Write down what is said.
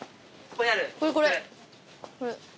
これこれ。